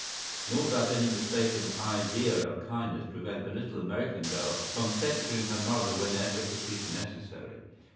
‚Äù¬Ý Nor does any mistaken idea of kindness prevent the little American girl from censuring her mother whenever it is necessary.